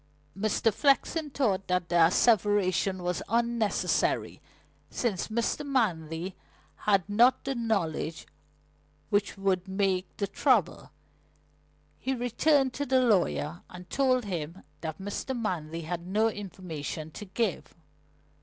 Mr. Flexen thought that the asseveration was unnecessary, since Mr. Manley had not the knowledge which would make the trouble. He returned to the lawyer and told him that Mr. Manley had no information to give.